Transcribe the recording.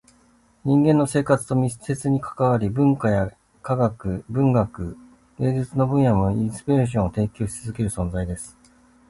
人間の生活と密接に関わり、文化や科学、文学、芸術の分野でもインスピレーションを提供し続ける存在です。